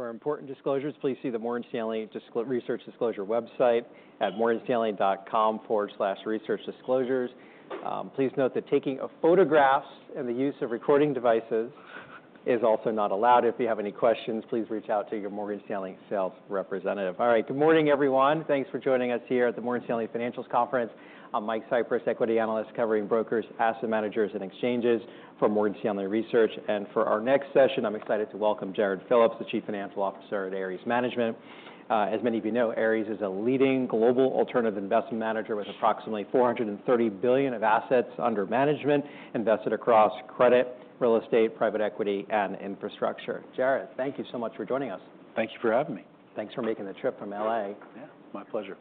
For important disclosures, please see the Morgan Stanley Research Disclosure website at morganstanley.com/researchdisclosures. Please note that taking of photographs and the use of recording devices is also not allowed. If you have any questions, please reach out to your Morgan Stanley sales representative. All right, good morning, everyone. Thanks for joining us here at the Morgan Stanley Financials Conference. I'm Mike Cyprys, equity analyst, covering brokers, asset managers, and exchanges for Morgan Stanley Research. For our next session, I'm excited to welcome Jarrod Phillips, the Chief Financial Officer at Ares Management. As many of you know, Ares is a leading global alternative investment manager, with approximately $430 billion of assets under management, invested across credit, real estate, private equity, and infrastructure. Jarrod, thank you so much for joining us. Thank you for having me. Thanks for making the trip from L.A. Yeah. My pleasure.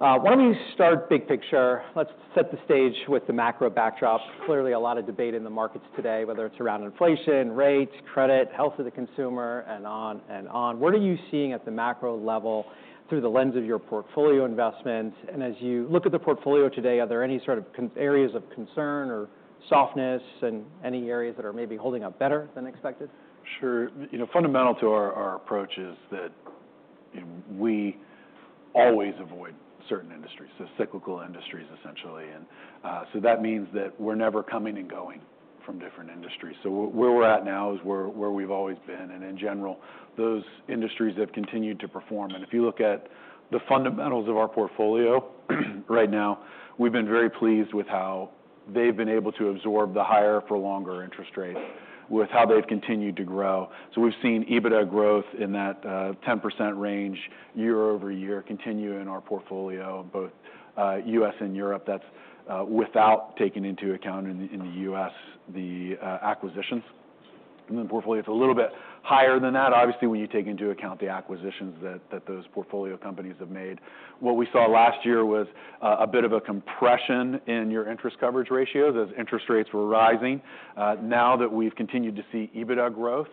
Why don't you start big picture? Let's set the stage with the macro backdrop. Clearly, a lot of debate in the markets today, whether it's around inflation, rates, credit, health of the consumer, and on and on. What are you seeing at the macro level through the lens of your portfolio investments? And as you look at the portfolio today, are there any sort of areas of concern or softness, and any areas that are maybe holding up better than expected? Sure. You know, fundamental to our approach is that we always avoid certain industries, so cyclical industries, essentially. And so that means that we're never coming and going from different industries. So where we're at now is where we've always been, and in general, those industries have continued to perform. And if you look at the fundamentals of our portfolio, right now, we've been very pleased with how they've been able to absorb the higher for longer interest rates, with how they've continued to grow. So we've seen EBITDA growth in that 10% range year-over-year continue in our portfolio, both U.S. and Europe. That's without taking into account, in the U.S., the acquisitions. In the portfolio, it's a little bit higher than that, obviously, when you take into account the acquisitions that those portfolio companies have made. What we saw last year was a bit of a compression in your interest coverage ratios as interest rates were rising. Now that we've continued to see EBITDA growth,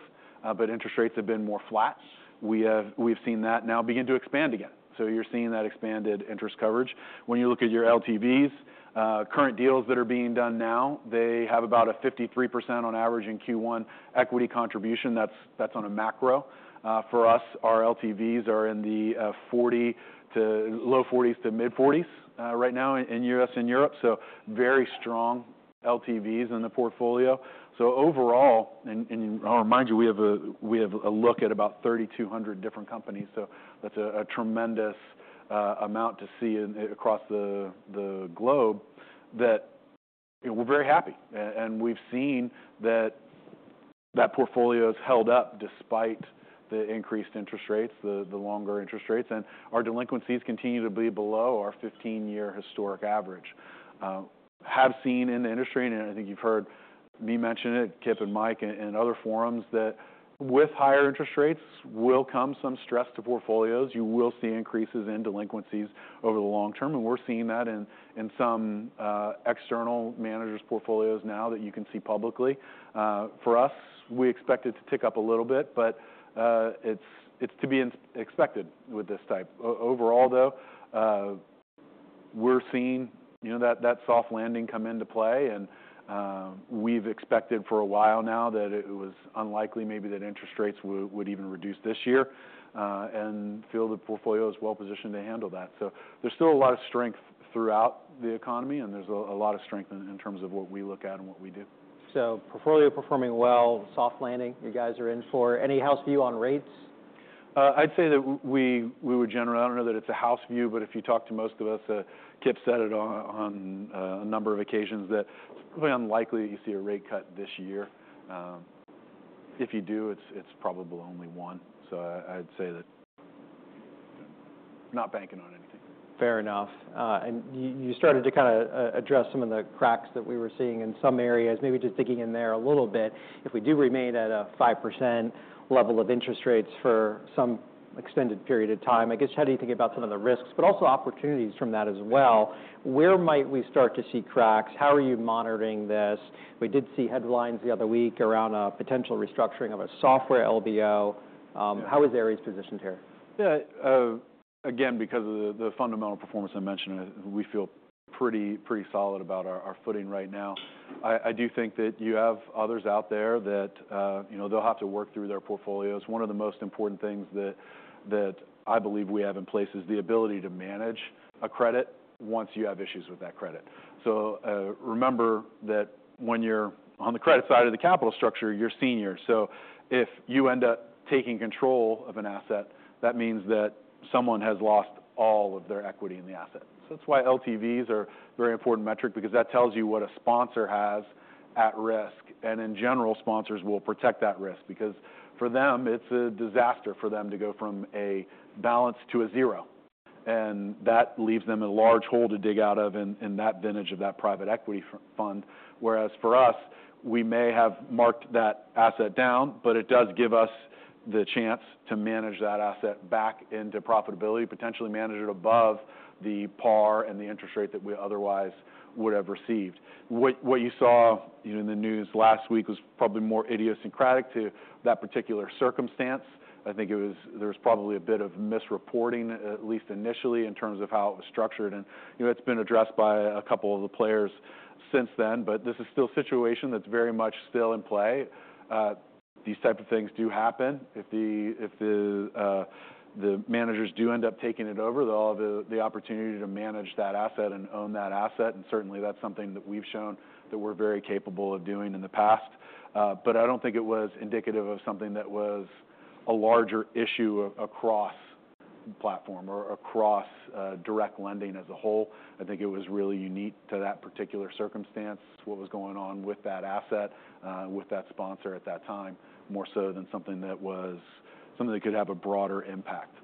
but interest rates have been more flat, we've seen that now begin to expand again. So you're seeing that expanded interest coverage. When you look at your LTVs, current deals that are being done now, they have about a 53% on average in Q1 equity contribution. That's, that's on a macro. For us, our LTVs are in the 40- low 40s to mid-40s right now in U.S. and Europe, so very strong LTVs in the portfolio. So overall, I'll remind you, we have a look at about 3,200 different companies, so that's a tremendous amount to see across the globe, you know, we're very happy. And we've seen that that portfolio has held up despite the increased interest rates, the longer interest rates, and our delinquencies continue to be below our 15-year historic average we have seen in the industry, and I think you've heard me mention it, Kip and Mike in other forums, that with higher interest rates will come some stress to portfolios. You will see increases in delinquencies over the long term, and we're seeing that in some external managers' portfolios now that you can see publicly. For us, we expect it to tick up a little bit, but it's to be expected with this type. Overall, though, we're seeing, you know, that soft landing come into play, and we've expected for a while now that it was unlikely maybe that interest rates would even reduce this year, and feel the portfolio is well-positioned to handle that. So there's still a lot of strength throughout the economy, and there's a lot of strength in terms of what we look at and what we do. Portfolio performing well, soft landing, you guys are in for. Any house view on rates? I'd say that we would generally... I don't know that it's a house view, but if you talk to most of us, Kip said it on a number of occasions, that it's pretty unlikely you see a rate cut this year. If you do, it's probably only one. So I'd say that I'm not banking on anything. Fair enough. You started to kind of address some of the cracks that we were seeing in some areas. Maybe just digging in there a little bit, if we do remain at a 5% level of interest rates for some extended period of time, I guess, how do you think about some of the risks, but also opportunities from that as well? Where might we start to see cracks? How are you monitoring this? We did see headlines the other week around a potential restructuring of a software LBO. Yeah. How is Ares positioned here? Yeah, again, because of the fundamental performance I mentioned, we feel pretty, pretty solid about our footing right now. I do think that you have others out there that, you know, they'll have to work through their portfolios. One of the most important things that I believe we have in place is the ability to manage a credit once you have issues with that credit. So, remember that when you're on the credit side of the capital structure, you're senior. So if you end up taking control of an asset, that means that someone has lost all of their equity in the asset. So that's why LTVs are a very important metric, because that tells you what a sponsor has at risk, and in general, sponsors will protect that risk, because for them, it's a disaster for them to go from a balance to a zero. And that leaves them a large hole to dig out of in that vintage of that private equity fund. Whereas for us, we may have marked that asset down, but it does give us the chance to manage that asset back into profitability, potentially manage it above the par and the interest rate that we otherwise would have received. What you saw, you know, in the news last week was probably more idiosyncratic to that particular circumstance. I think there was probably a bit of misreporting, at least initially, in terms of how it was structured. You know, it's been addressed by a couple of the players since then, but this is still a situation that's very much still in play. These type of things do happen. If the managers do end up taking it over, they'll have the opportunity to manage that asset and own that asset, and certainly that's something that we've shown that we're very capable of doing in the past. But I don't think it was indicative of something that was a larger issue across the platform or across direct lending as a whole. I think it was really unique to that particular circumstance, to what was going on with that asset, with that sponsor at that time, more so than something that could have a broader impact.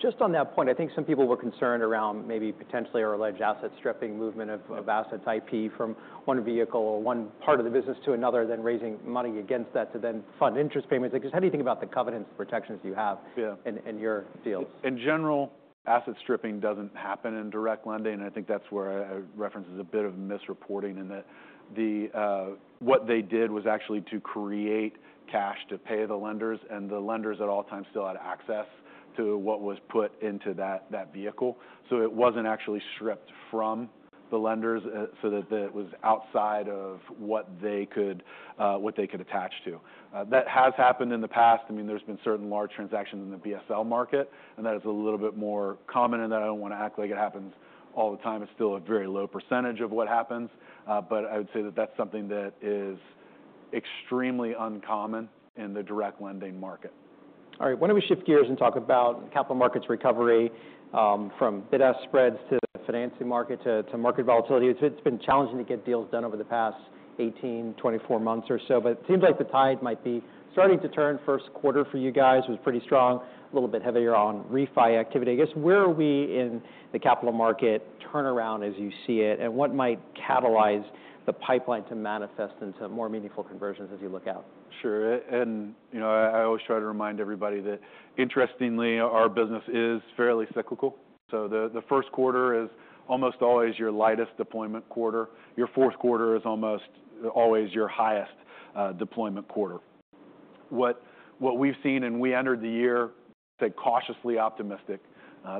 Just on that point, I think some people were concerned around maybe potentially an alleged asset-stripping movement of assets IP from one vehicle or one part of the business to another, then raising money against that to then fund interest payments. Like, just how do you think about the covenant protections you have- Yeah in your deals? In general, asset stripping doesn't happen in direct lending, and I think that's where I reference as a bit of misreporting in that. What they did was actually to create cash to pay the lenders, and the lenders at all times still had access to what was put into that vehicle. So it wasn't actually stripped from the lenders, so that it was outside of what they could attach to. That has happened in the past. I mean, there's been certain large transactions in the BSL market, and that is a little bit more common, and I don't want to act like it happens all the time. It's still a very low percentage of what happens. But I would say that that's something that is extremely uncommon in the direct lending market. All right, why don't we shift gears and talk about capital markets recovery, from bid-ask spreads to the financing market to, to market volatility? It's, it's been challenging to get deals done over the past 18, 24 months or so, but it seems like the tide might be starting to turn. First quarter for you guys was pretty strong, a little bit heavier on refi activity. I guess, where are we in the capital market turnaround as you see it, and what might catalyze the pipeline to manifest into more meaningful conversions as you look out? Sure. And, you know, I, I always try to remind everybody that, interestingly, our business is fairly cyclical, so the, the first quarter is almost always your lightest deployment quarter. Your fourth quarter is almost always your highest deployment quarter. What, what we've seen, and we entered the year, say, cautiously optimistic.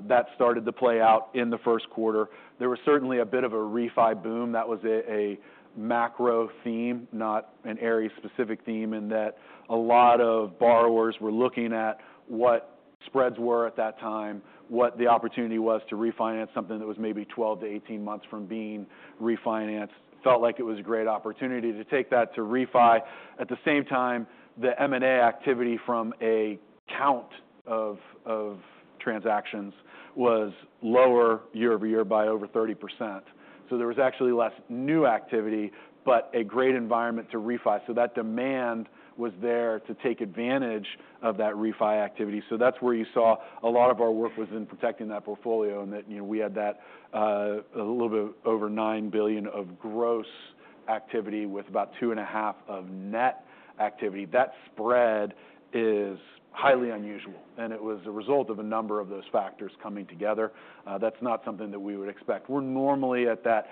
That started to play out in the first quarter. There was certainly a bit of a refi boom. That was a, a macro theme, not an Ares specific theme, in that a lot of borrowers were looking at what spreads were at that time, what the opportunity was to refinance something that was maybe 12-18 months from being refinanced. Felt like it was a great opportunity to take that to refi. At the same time, the M&A activity from a count of, of transactions was lower year-over-year by over 30%. So there was actually less new activity, but a great environment to refi. So that demand was there to take advantage of that refi activity. So that's where you saw a lot of our work was in protecting that portfolio, and that, you know, we had that, a little bit over $9 billion of gross activity with about $2.5 billion of net activity. That spread is highly unusual, and it was a result of a number of those factors coming together. That's not something that we would expect. We're normally at that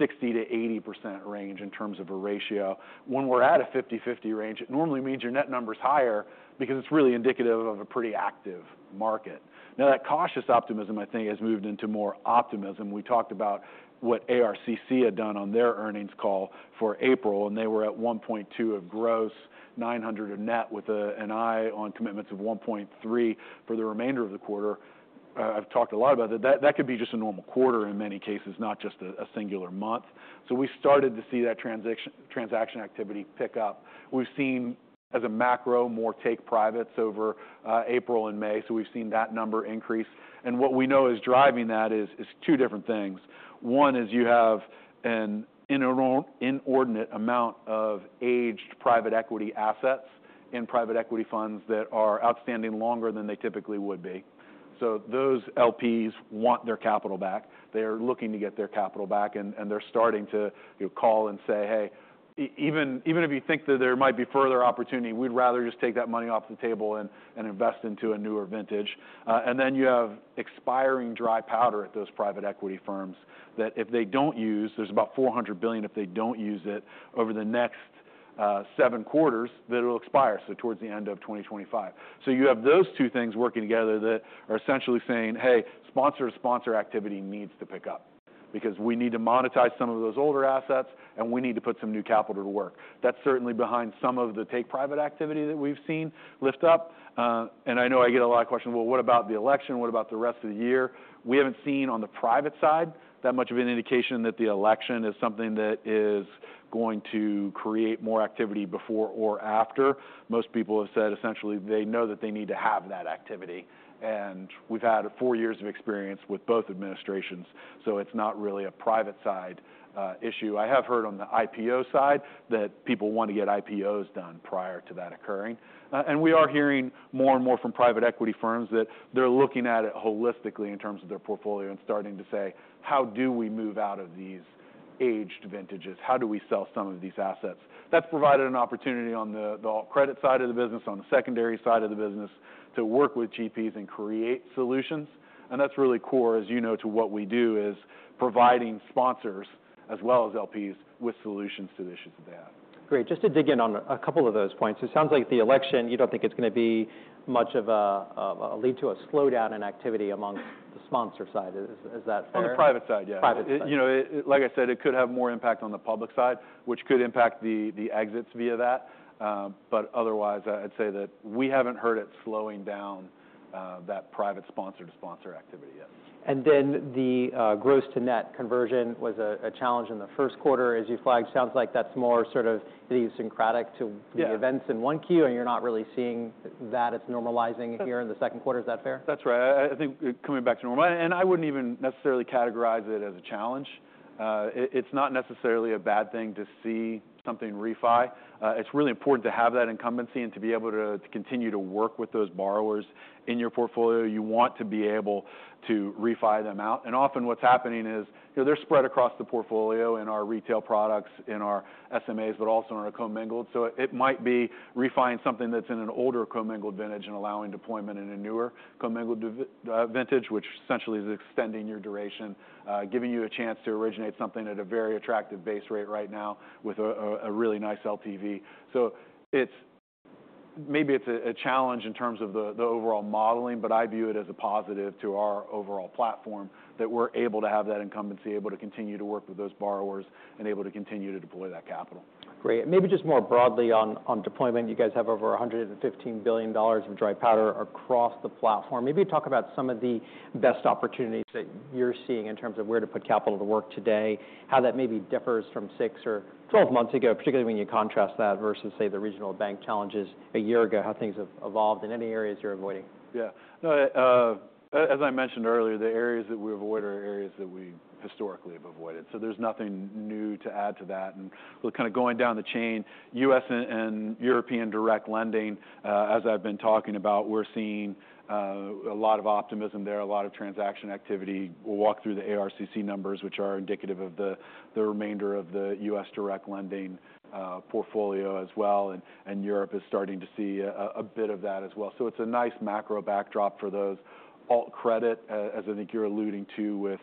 60%-80% range in terms of a ratio. When we're at a 50/50 range, it normally means your net number is higher because it's really indicative of a pretty active market. Now, that cautious optimism, I think, has moved into more optimism. We talked about what ARCC had done on their earnings call for April, and they were at $1.2 of gross, $900 of net, with an eye on commitments of $1.3 for the remainder of the quarter. I've talked a lot about that. That could be just a normal quarter in many cases, not just a singular month. So we started to see that transaction, transaction activity pick up. We've seen, as a macro, more take privates over April and May, so we've seen that number increase. And what we know is driving that is two different things. One is you have an inordinate amount of aged private equity assets in private equity funds that are outstanding longer than they typically would be. So those LPs want their capital back. They are looking to get their capital back, and they're starting to, you call and say, "Hey, even if you think that there might be further opportunity, we'd rather just take that money off the table and invest into a newer vintage." And then you have expiring dry powder at those private equity firms that if they don't use... There's about $400 billion, if they don't use it over the next seven quarters, then it'll expire, so towards the end of 2025. So you have those two things working together that are essentially saying, "Hey, sponsor-to-sponsor activity needs to pick up, because we need to monetize some of those older assets, and we need to put some new capital to work." That's certainly behind some of the take private activity that we've seen lift up. And I know I get a lot of questions: "Well, what about the election? What about the rest of the year?" We haven't seen on the private side that much of an indication that the election is something that is going to create more activity before or after. Most people have said, essentially, they know that they need to have that activity, and we've had four years of experience with both administrations, so it's not really a private side issue. I have heard on the IPO side that people want to get IPOs done prior to that occurring. And we are hearing more and more from private equity firms that they're looking at it holistically in terms of their portfolio and starting to say, "How do we move out of these aged vintages? How do we sell some of these assets?" That's provided an opportunity on the credit side of the business, on the secondary side of the business, to work with GPs and create solutions, and that's really core, as you know, to what we do, is providing sponsors as well as LPs with solutions to the issues they have. Great. Just to dig in on a couple of those points, it sounds like the election, you don't think it's gonna be much of a lead to a slowdown in activity among the sponsor side. Is that fair? On the private side, yeah. Private side. You know, like I said, it could have more impact on the public side, which could impact the, the exits via that. But otherwise, I'd say that we haven't heard it slowing down, that private sponsor-to-sponsor activity.... And then the gross to net conversion was a challenge in the first quarter, as you flagged. Sounds like that's more sort of idiosyncratic to- Yeah The events in one Q, and you're not really seeing that it's normalizing here in the second quarter. Is that fair? That's right. I think coming back to normal. And I wouldn't even necessarily categorize it as a challenge. It's not necessarily a bad thing to see something refi. It's really important to have that incumbency and to be able to continue to work with those borrowers in your portfolio. You want to be able to refi them out. And often, what's happening is, you know, they're spread across the portfolio in our retail products, in our SMAs, but also in our commingled. So it might be refi-ing something that's in an older commingled vintage and allowing deployment in a newer commingled vintage, which essentially is extending your duration, giving you a chance to originate something at a very attractive base rate right now with a really nice LTV. So it's maybe it's a challenge in terms of the overall modeling, but I view it as a positive to our overall platform, that we're able to have that incumbency, able to continue to work with those borrowers, and able to continue to deploy that capital. Great. Maybe just more broadly on, on deployment, you guys have over $115 billion of dry powder across the platform. Maybe talk about some of the best opportunities that you're seeing in terms of where to put capital to work today, how that maybe differs from six or 12 months ago, particularly when you contrast that versus, say, the regional bank challenges a year ago, how things have evolved, and any areas you're avoiding? Yeah. No, as I mentioned earlier, the areas that we avoid are areas that we historically have avoided, so there's nothing new to add to that. And look, kind of going down the chain, U.S. and European direct lending, as I've been talking about, we're seeing a lot of optimism there, a lot of transaction activity. We'll walk through the ARCC numbers, which are indicative of the remainder of the U.S. direct lending portfolio as well, and Europe is starting to see a bit of that as well. So it's a nice macro backdrop for those. Alt credit, as I think you're alluding to with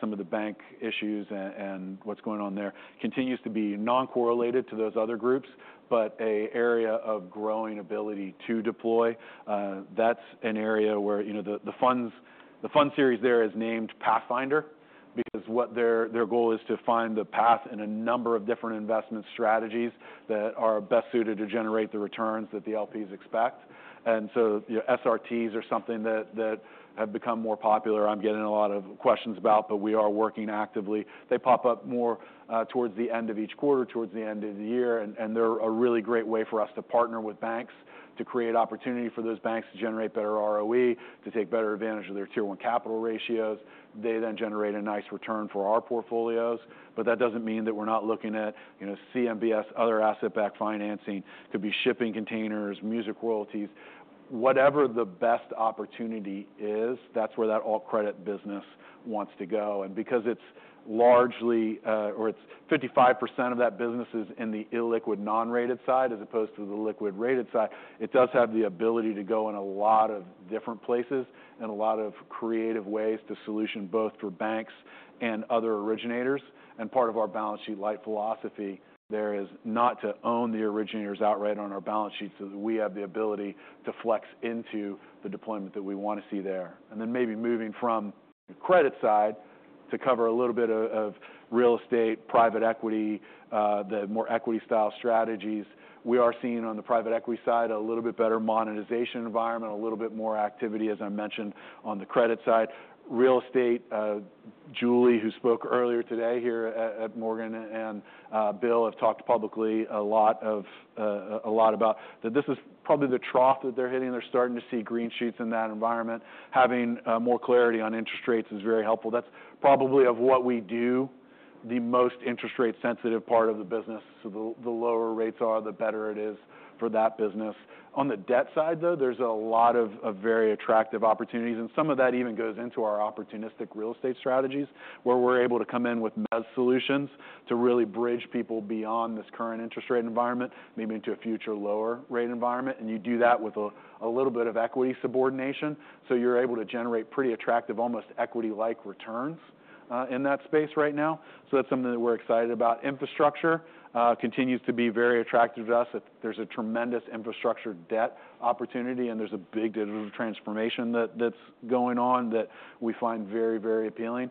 some of the bank issues and what's going on there, continues to be non-correlated to those other groups, but a area of growing ability to deploy. That's an area where, you know, the fund series there is named Pathfinder, because their goal is to find the path in a number of different investment strategies that are best suited to generate the returns that the LPs expect. And so, you know, SRTs are something that have become more popular, I'm getting a lot of questions about, but we are working actively. They pop up more towards the end of each quarter, towards the end of the year, and they're a really great way for us to partner with banks to create opportunity for those banks to generate better ROE, to take better advantage of their Tier 1 capital ratios. They then generate a nice return for our portfolios. But that doesn't mean that we're not looking at, you know, CMBS, other asset-backed financing, could be shipping containers, music royalties. Whatever the best opportunity is, that's where that alt credit business wants to go. And because it's largely, or it's 55% of that business is in the illiquid, non-rated side, as opposed to the liquid-rated side, it does have the ability to go in a lot of different places and a lot of creative ways to solution, both for banks and other originators. And part of our balance sheet-light philosophy there is not to own the originators outright on our balance sheet, so that we have the ability to flex into the deployment that we want to see there. Then maybe moving from the credit side to cover a little bit of real estate, private equity, the more equity-style strategies, we are seeing on the private equity side, a little bit better monetization environment, a little bit more activity, as I mentioned, on the credit side. Real estate, Julie, who spoke earlier today here at Morgan, and Bill, have talked publicly a lot about that this is probably the trough that they're hitting. They're starting to see green shoots in that environment. Having more clarity on interest rates is very helpful. That's probably of what we do, the most interest rate sensitive part of the business, so the lower rates are, the better it is for that business. On the debt side, though, there's a lot of very attractive opportunities, and some of that even goes into our opportunistic real estate strategies, where we're able to come in with mezz solutions to really bridge people beyond this current interest rate environment, maybe into a future lower rate environment. And you do that with a little bit of equity subordination, so you're able to generate pretty attractive, almost equity-like returns in that space right now. So that's something that we're excited about. Infrastructure continues to be very attractive to us. There's a tremendous infrastructure debt opportunity, and there's a big digital transformation that that's going on that we find very, very appealing.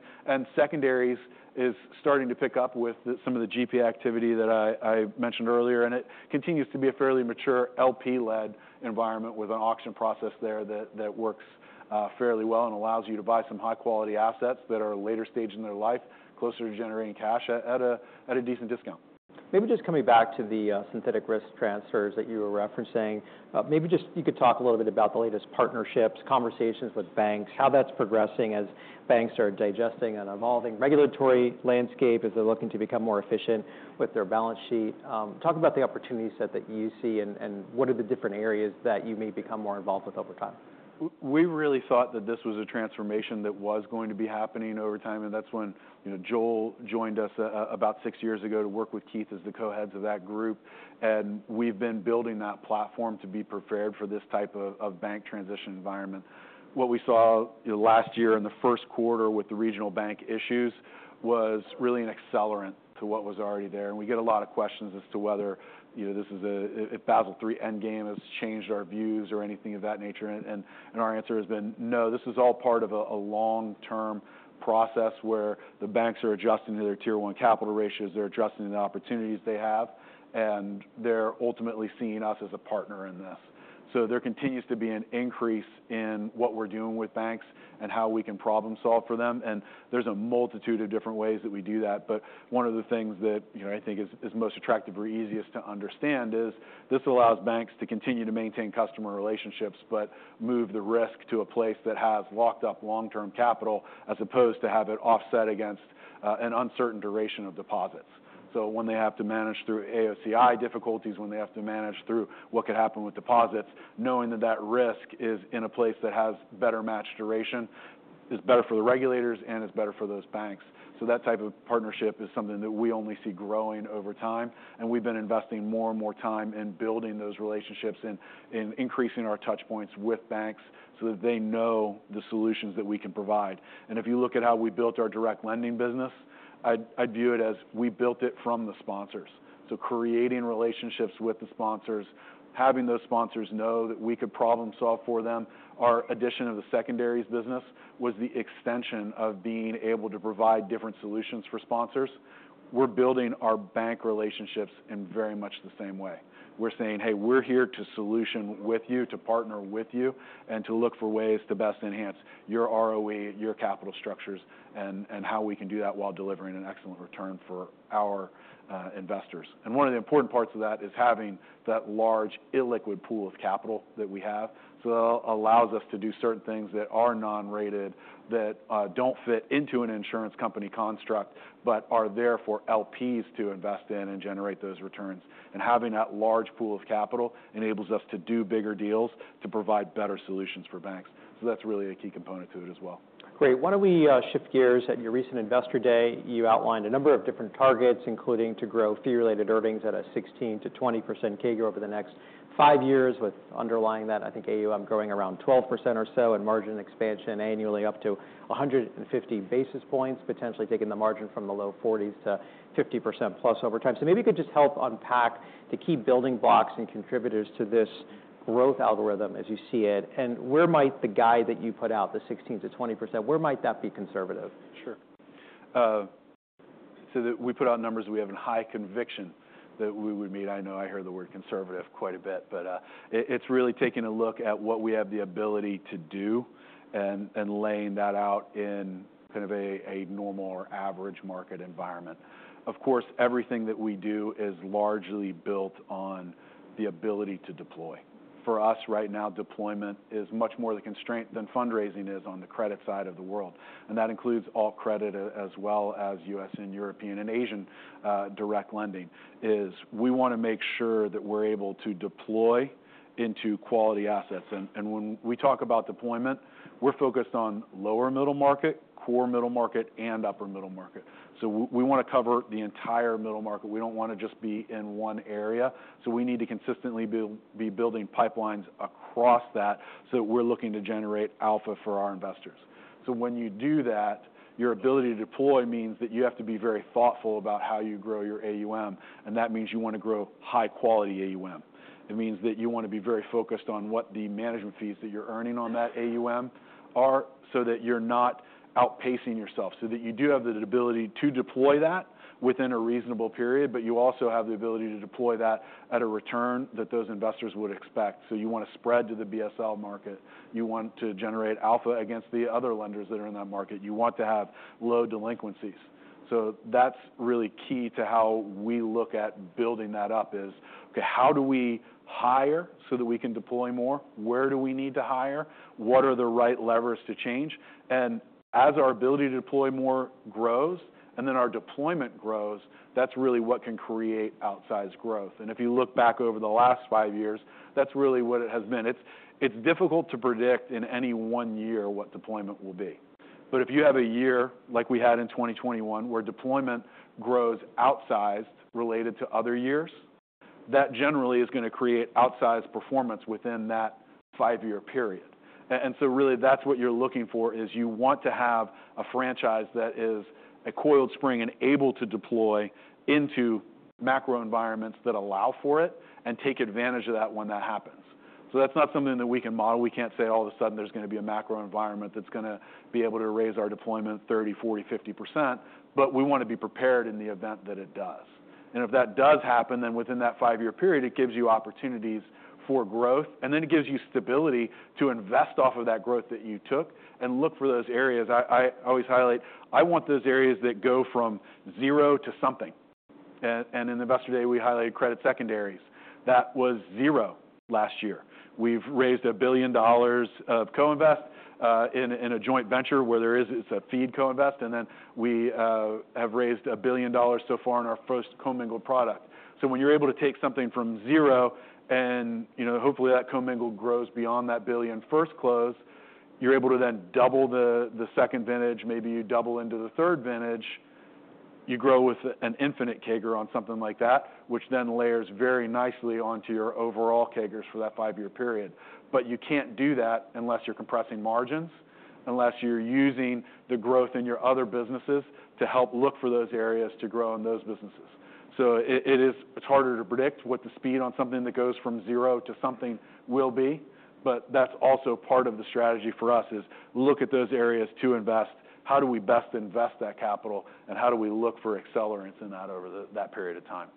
Secondaries is starting to pick up with some of the GP activity that I mentioned earlier, and it continues to be a fairly mature, LP-led environment with an auction process there that works fairly well and allows you to buy some high-quality assets that are later stage in their life, closer to generating cash at a decent discount. Maybe just coming back to the synthetic risk transfers that you were referencing, maybe just you could talk a little bit about the latest partnerships, conversations with banks, how that's progressing as banks are digesting an evolving regulatory landscape, as they're looking to become more efficient with their balance sheet. Talk about the opportunity set that you see, and what are the different areas that you may become more involved with over time? We really thought that this was a transformation that was going to be happening over time, and that's when, you know, Joel joined us about six years ago to work with Keith as the co-heads of that group. And we've been building that platform to be prepared for this type of bank transition environment. What we saw, you know, last year in the first quarter with the regional bank issues was really an accelerant to what was already there. And we get a lot of questions as to whether, you know, this is a Basel III end game has changed our views or anything of that nature. And our answer has been, "No, this is all part of a long-term-... process where the banks are adjusting to their Tier 1 capital ratios, they're adjusting the opportunities they have, and they're ultimately seeing us as a partner in this. So there continues to be an increase in what we're doing with banks and how we can problem solve for them, and there's a multitude of different ways that we do that. But one of the things that, you know, I think is, is most attractive or easiest to understand is, this allows banks to continue to maintain customer relationships, but move the risk to a place that has locked up long-term capital, as opposed to have it offset against an uncertain duration of deposits. So when they have to manage through AOCI difficulties, when they have to manage through what could happen with deposits, knowing that that risk is in a place that has better match duration, is better for the regulators and is better for those banks. So that type of partnership is something that we only see growing over time, and we've been investing more and more time in building those relationships and increasing our touch points with banks so that they know the solutions that we can provide. And if you look at how we built our direct lending business, I'd, I view it as we built it from the sponsors. So creating relationships with the sponsors, having those sponsors know that we could problem solve for them. Our addition of the secondaries business was the extension of being able to provide different solutions for sponsors. We're building our bank relationships in very much the same way. We're saying, "Hey, we're here to solution with you, to partner with you, and to look for ways to best enhance your ROE, your capital structures, and, and how we can do that while delivering an excellent return for our investors." And one of the important parts of that is having that large illiquid pool of capital that we have. So that allows us to do certain things that are non-rated, that don't fit into an insurance company construct, but are there for LPs to invest in and generate those returns. And having that large pool of capital enables us to do bigger deals to provide better solutions for banks. So that's really a key component to it as well. Great! Why don't we shift gears? At your recent Investor Day, you outlined a number of different targets, including to grow fee-related earnings at a 16%-20% CAGR over the next five years, with underlying that, I think AUM growing around 12% or so, and margin expansion annually up to 150 basis points, potentially taking the margin from the low 40s to 50%+ over time. So maybe you could just help unpack the key building blocks and contributors to this growth algorithm as you see it, and where might the guide that you put out, the 16%-20%, where might that be conservative? Sure. So that we put out numbers we have in high conviction that we would meet. I know I heard the word conservative quite a bit, but it's really taking a look at what we have the ability to do and laying that out in kind of a normal or average market environment. Of course, everything that we do is largely built on the ability to deploy. For us, right now, deployment is much more the constraint than fundraising is on the credit side of the world. And that includes all credit, as well as U.S. and European and Asian direct lending, is we wanna make sure that we're able to deploy into quality assets. And when we talk about deployment, we're focused on lower middle market, core middle market, and upper middle market. So we wanna cover the entire middle market. We don't wanna just be in one area, so we need to consistently be building pipelines across that, so we're looking to generate alpha for our investors. So when you do that, your ability to deploy means that you have to be very thoughtful about how you grow your AUM, and that means you wanna grow high quality AUM. It means that you wanna be very focused on what the management fees that you're earning on that AUM are, so that you're not outpacing yourself, so that you do have the ability to deploy that within a reasonable period, but you also have the ability to deploy that at a return that those investors would expect. So you wanna spread to the BSL market. You want to generate alpha against the other lenders that are in that market. You want to have low delinquencies. So that's really key to how we look at building that up, okay, how do we hire so that we can deploy more? Where do we need to hire? What are the right levers to change? And as our ability to deploy more grows, and then our deployment grows, that's really what can create outsized growth. And if you look back over the last five years, that's really what it has been. It's difficult to predict in any one year what deployment will be. But if you have a year, like we had in 2021, where deployment grows outsized related to other years, that generally is gonna create outsized performance within that five-year period. And so really, that's what you're looking for, is you want to have a franchise that is a coiled spring and able to deploy into macro environments that allow for it, and take advantage of that when that happens. So that's not something that we can model. We can't say all of a sudden there's gonna be a macro environment that's gonna be able to raise our deployment 30%, 40%, 50%, but we wanna be prepared in the event that it does. And if that does happen, then within that five-year period, it gives you opportunities for growth, and then it gives you stability to invest off of that growth that you took and look for those areas. I always highlight, I want those areas that go from zero to something. And in Investor Day, we highlighted credit secondaries. That was zero last year. We've raised $1 billion of co-invest in a, in a joint venture where there is, it's a seed co-invest, and then we have raised $1 billion so far in our first commingled product. So when you're able to take something from zero and, you know, hopefully, that commingled grows beyond that $1 billion first close, you're able to then double the, the second vintage, maybe you double into the third vintage. You grow with an infinite CAGR on something like that, which then layers very nicely onto your overall CAGRs for that five-year period. But you can't do that unless you're compressing margins, unless you're using the growth in your other businesses to help look for those areas to grow in those businesses. So it, it is, it's harder to predict what the speed on something that goes from zero to something will be. But that's also part of the strategy for us, is look at those areas to invest. How do we best invest that capital, and how do we look for accelerants in that over that period of time?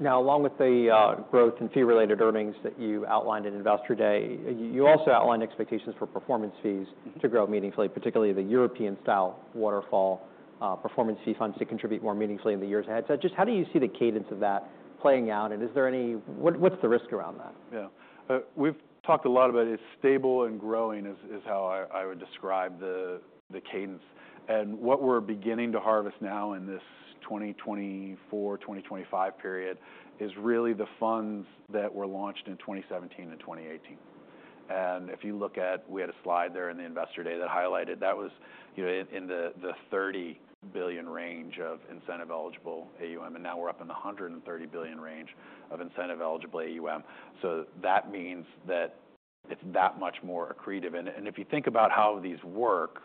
Now, along with the growth in fee-related earnings that you outlined in Investor Day, you also outlined expectations for performance fees- Mm-hmm. to grow meaningfully, particularly the European-style waterfall performance fee funds to contribute more meaningfully in the years ahead. So just how do you see the cadence of that playing out, and is there any—what's the risk around that? Yeah. We've talked a lot about it's stable and growing, is how I would describe the cadence. And what we're beginning to harvest now in this 2024/2025 period, is really the funds that were launched in 2017 and 2018. And if you look at... We had a slide there in the Investor Day that highlighted. That was, you know, in the $30 billion range of incentive-eligible AUM, and now we're up in the $130 billion range of incentive-eligible AUM. So that means that it's that much more accretive. And if you think about how these work,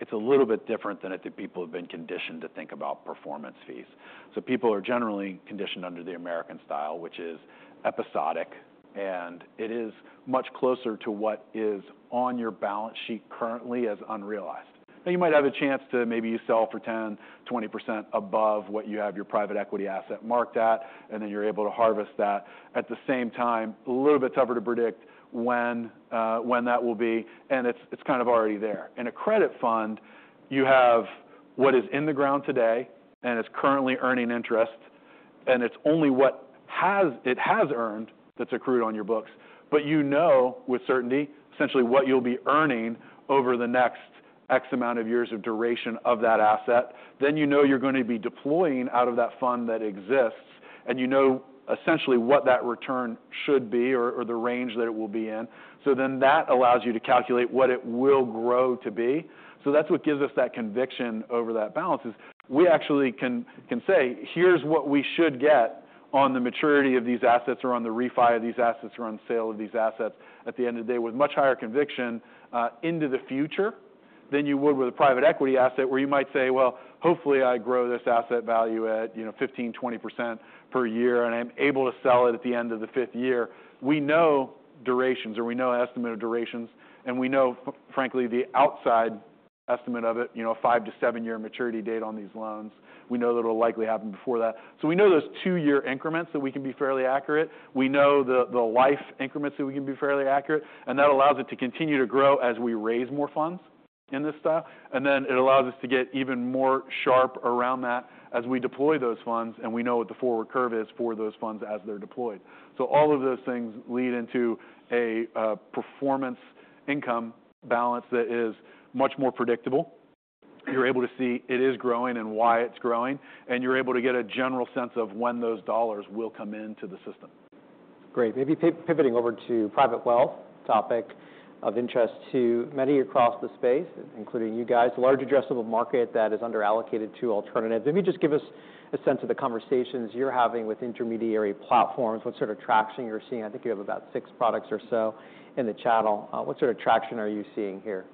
it's a little bit different than I think people have been conditioned to think about performance fees. So people are generally conditioned under the American style, which is episodic, and it is much closer to what is on your balance sheet currently as unrealized. Now, you might have a chance to maybe you sell for 10%-20% above what you have your private equity asset marked at, and then you're able to harvest that. At the same time, a little bit tougher to predict when, when that will be, and it's, it's kind of already there. In a credit fund, you have what is in the ground today, and it's currently earning interest, and it's only what has-- it has earned that's accrued on your books. But you know with certainty, essentially, what you'll be earning over the next X amount of years of duration of that asset. Then you know you're going to be deploying out of that fund that exists, and you know essentially what that return should be or, or the range that it will be in. So then that allows you to calculate what it will grow to be. So that's what gives us that conviction over that balance, is we actually can say, "Here's what we should get on the maturity of these assets or on the refi of these assets or on sale of these assets," at the end of the day, with much higher conviction into the future than you would with a private equity asset, where you might say, "Well, hopefully, I grow this asset value at, you know, 15, 20% per year, and I'm able to sell it at the end of the fifth year." We know durations, or we know estimate of durations, and we know frankly, the outside estimate of it, you know, a 5- to 7-year maturity date on these loans. We know that it'll likely happen before that. So we know those 2-year increments, so we can be fairly accurate. We know the life increments, so we can be fairly accurate, and that allows it to continue to grow as we raise more funds in this stuff. And then it allows us to get even more sharp around that as we deploy those funds, and we know what the forward curve is for those funds as they're deployed. So all of those things lead into a performance income balance that is much more predictable. You're able to see it is growing and why it's growing, and you're able to get a general sense of when those dollars will come into the system. Great. Maybe pivoting over to private wealth, topic of interest to many across the space, including you guys. A large addressable market that is under-allocated to alternatives. Maybe just give us a sense of the conversations you're having with intermediary platforms. What sort of traction you're seeing? I think you have about six products or so in the channel. What sort of traction are you seeing here?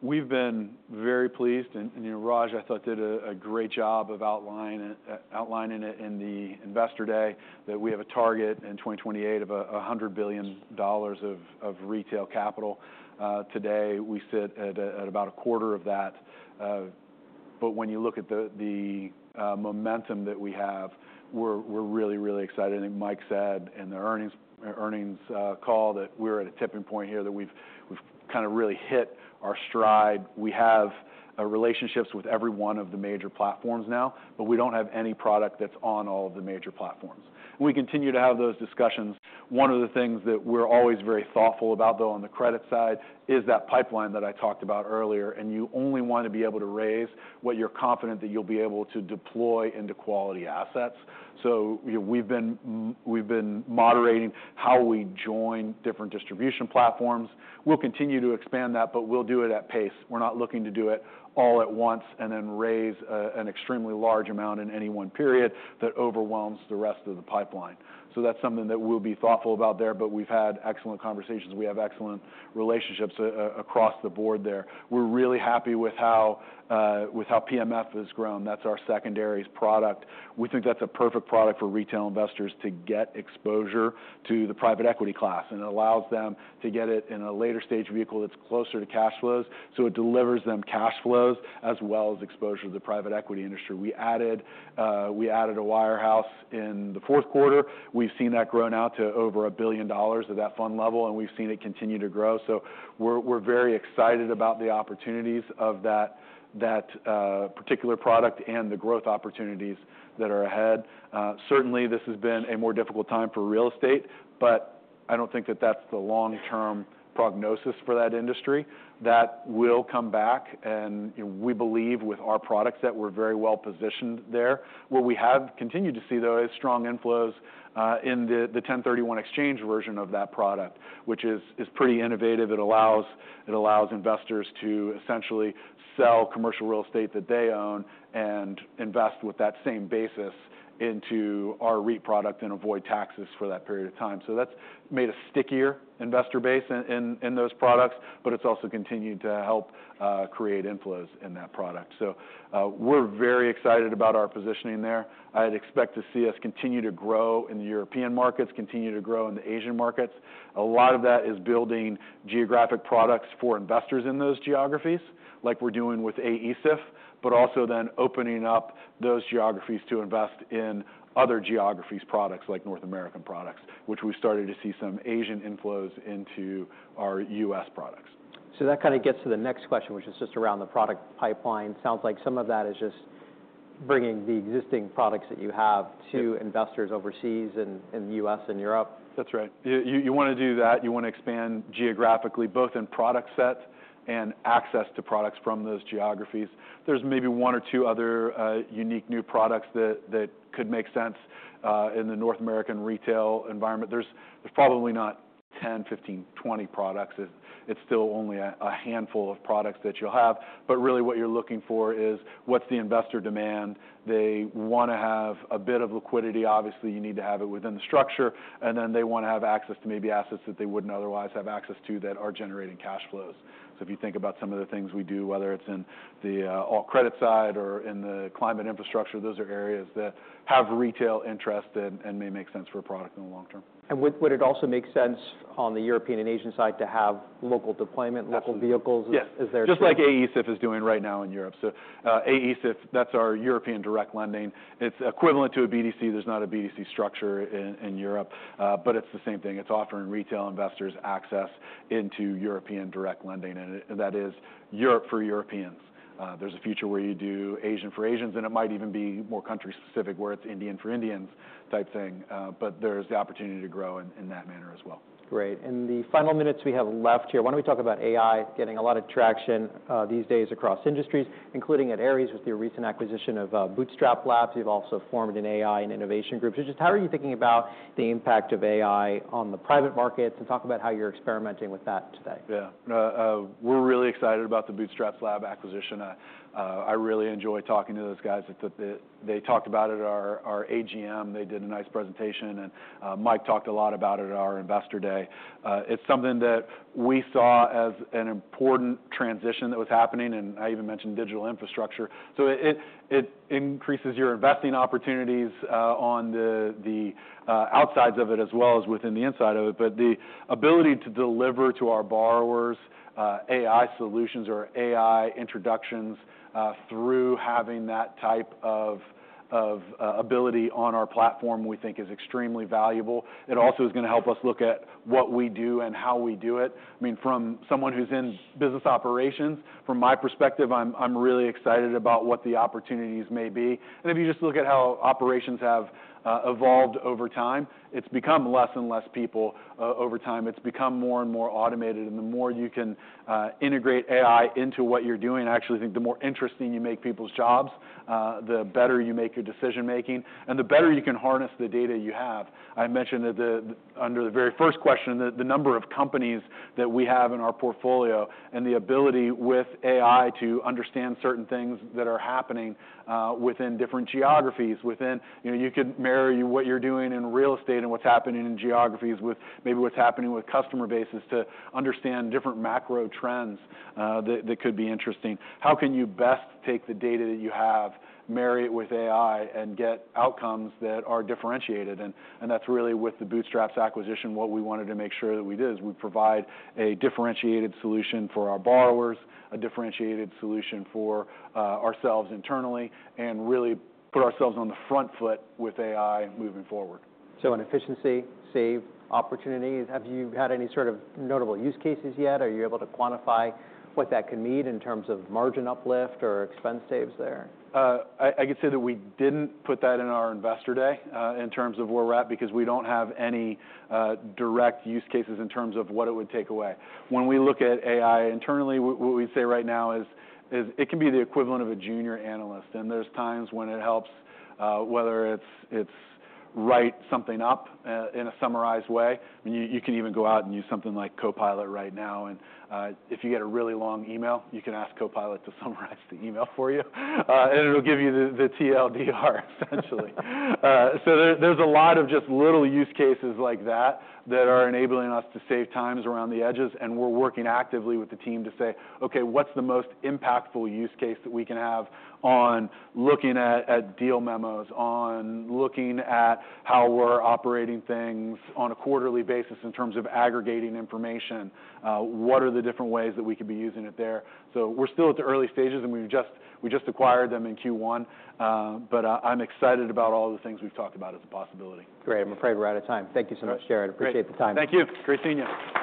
We've been very pleased. And you know, Raj, I thought did a great job of outlining it in the Investor Day, that we have a target in 2028 of $100 billion of retail capital. Today, we sit at about a quarter of that. But when you look at the momentum that we have, we're really excited. I think Mike said in the earnings call, that we're at a tipping point here, that we've kind of really hit our stride. We have relationships with every one of the major platforms now, but we don't have any product that's on all of the major platforms. We continue to have those discussions. One of the things that we're always very thoughtful about, though, on the credit side, is that pipeline that I talked about earlier. You only want to be able to raise what you're confident that you'll be able to deploy into quality assets. So, you know, we've been moderating how we join different distribution platforms. We'll continue to expand that, but we'll do it at pace. We're not looking to do it all at once, and then raise an extremely large amount in any one period that overwhelms the rest of the pipeline. So that's something that we'll be thoughtful about there, but we've had excellent conversations. We have excellent relationships across the board there. We're really happy with how PMF has grown. That's our secondaries product. We think that's a perfect product for retail investors to get exposure to the private equity class, and it allows them to get it in a later stage vehicle that's closer to cash flows, so it delivers them cash flows, as well as exposure to the private equity industry. We added, we added a wirehouse in the fourth quarter. We've seen that grown out to over $1 billion at that fund level, and we've seen it continue to grow. So we're, we're very excited about the opportunities of that, that particular product and the growth opportunities that are ahead. Certainly, this has been a more difficult time for real estate, but I don't think that that's the long-term prognosis for that industry. That will come back, and, you know, we believe with our products, that we're very well-positioned there. What we have continued to see, though, is strong inflows in the 1031 exchange version of that product, which is pretty innovative. It allows investors to essentially sell commercial real estate that they own and invest with that same basis into our REIT product and avoid taxes for that period of time. So that's made a stickier investor base in those products, but it's also continued to help create inflows in that product. So, we're very excited about our positioning there. I'd expect to see us continue to grow in the European markets, continue to grow in the Asian markets. A lot of that is building geographic products for investors in those geographies, like we're doing with AESIF, but also then opening up those geographies to invest in other geographies products, like North American products, which we've started to see some Asian inflows into our U.S. products.... So that kind of gets to the next question, which is just around the product pipeline. Sounds like some of that is just bringing the existing products that you have to investors overseas and in the U.S. and Europe. That's right. You, you wanna do that, you wanna expand geographically, both in product set and access to products from those geographies. There's maybe one or two other, unique new products that could make sense, in the North American retail environment. There's probably not 10, 15, 20 products. It's still only a handful of products that you'll have. But really, what you're looking for is, what's the investor demand? They wanna have a bit of liquidity. Obviously, you need to have it within the structure, and then they wanna have access to maybe assets that they wouldn't otherwise have access to, that are generating cash flows. So if you think about some of the things we do, whether it's in the alt credit side or in the climate infrastructure, those are areas that have retail interest and may make sense for a product in the long term. And would it also make sense on the European and Asian side to have local deployment, local vehicles? Absolutely. Yes. Is there- Just like AESIF is doing right now in Europe. So, AESIF, that's our European direct lending. It's equivalent to a BDC. There's not a BDC structure in Europe, but it's the same thing. It's offering retail investors access into European direct lending, and it—that is Europe for Europeans. There's a future where you do Asian for Asians, and it might even be more country-specific, where it's Indian for Indians type thing. But there's the opportunity to grow in that manner as well. Great. In the final minutes we have left here, why don't we talk about AI getting a lot of traction these days across industries, including at Ares, with your recent acquisition of BootstrapLabs. You've also formed an AI and innovation group. So just how are you thinking about the impact of AI on the private markets? And talk about how you're experimenting with that today. Yeah. We're really excited about the BootstrapLabs acquisition. I really enjoy talking to those guys that put the... They talked about it at our AGM. They did a nice presentation, and Mike talked a lot about it at our Investor Day. It's something that we saw as an important transition that was happening, and I even mentioned digital infrastructure. So it increases your investing opportunities on the outsides of it, as well as within the inside of it. But the ability to deliver to our borrowers AI solutions or AI introductions through having that type of ability on our platform, we think is extremely valuable. It also is gonna help us look at what we do and how we do it. I mean, from someone who's in business operations, from my perspective, I'm really excited about what the opportunities may be. And if you just look at how operations have evolved over time, it's become less and less people over time. It's become more and more automated, and the more you can integrate AI into what you're doing, I actually think the more interesting you make people's jobs, the better you make your decision-making and the better you can harness the data you have. I mentioned that under the very first question, the number of companies that we have in our portfolio and the ability with AI to understand certain things that are happening within different geographies, within... You know, you could marry what you're doing in real estate and what's happening in geographies with maybe what's happening with customer bases to understand different macro trends, that, that could be interesting. How can you best take the data that you have, marry it with AI, and get outcomes that are differentiated? And, and that's really with the BootstrapLabs acquisition, what we wanted to make sure that we did, is we provide a differentiated solution for our borrowers, a differentiated solution for, ourselves internally, and really put ourselves on the front foot with AI moving forward. So an efficiency save opportunity. Have you had any sort of notable use cases yet? Are you able to quantify what that could mean in terms of margin uplift or expense saves there? I could say that we didn't put that in our Investor Day, in terms of where we're at, because we don't have any direct use cases in terms of what it would take away. When we look at AI internally, what we'd say right now is it can be the equivalent of a junior analyst, and there's times when it helps, whether it's write something up in a summarized way. I mean, you can even go out and use something like Copilot right now, and if you get a really long email, you can ask Copilot to summarize the email for you, and it'll give you the TLDR, essentially. So there's a lot of just little use cases like that that are enabling us to save times around the edges, and we're working actively with the team to say, "Okay, what's the most impactful use case that we can have on looking at deal memos, on looking at how we're operating things on a quarterly basis in terms of aggregating information? What are the different ways that we could be using it there?" So we're still at the early stages, and we've just acquired them in Q1. But I'm excited about all the things we've talked about as a possibility. Great, I'm afraid we're out of time. Thank you so much, Jarrod. Great. Appreciate the time. Thank you. Great seeing you.